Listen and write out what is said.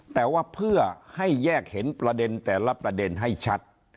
แต่ว่าเพื่อให้แยกเห็นประเด็นแต่ละประเด็นให้ชัด